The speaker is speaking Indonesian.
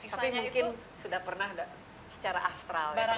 tapi mungkin sudah pernah secara astral ya terhari hari